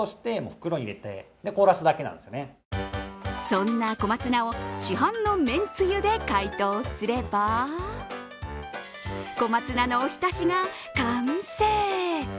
そんな小松菜を市販のめんつゆで解凍すれば小松菜のおひたしが完成。